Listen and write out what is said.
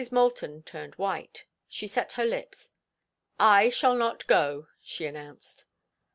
Moulton turned white. She set her lips. "I shall not go," she announced.